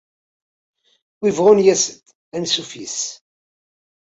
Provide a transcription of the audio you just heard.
Win yebɣun yas-d, ansuf yess.